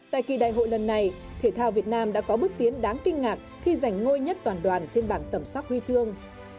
tại kỳ đại hội lần này thể thao việt nam đã có bước tiến đáng kinh ngạc khi giành ngôi nhất toàn đoàn trên bảng tổng sắp huy chương